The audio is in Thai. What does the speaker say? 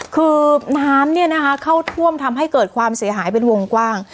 คือน้ำเข้าท่วมทำให้เกิดความเสียหายเป็นวงกว้าง